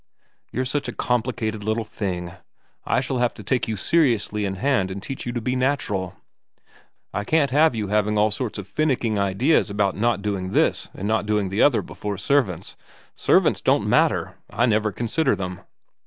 ' You're such a complicated little thing. I shall have to take you seriously in hand and teach you to be natural. I can't have you having all sorts of finicking ideas about not doing this and not doing the other before servants. Servants don't matter. I never con sider them.'